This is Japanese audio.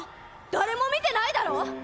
誰も見てないだろ？